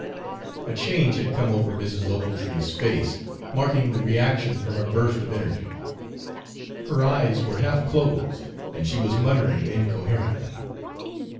A change had come over Mrs. Ochiltree's face, marking the reaction from her burst of energy. Her eyes were half closed, and she was muttering incoherently.